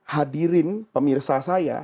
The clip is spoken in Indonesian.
hadirin pemirsa saya